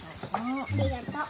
ありがとう。